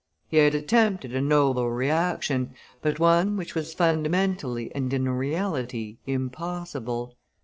He had attempted a noble reaction, but one which was fundamentally and in reality impossible.